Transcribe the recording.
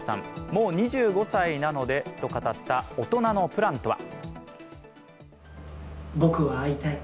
もう２５歳なのでと語った大人のプランとは。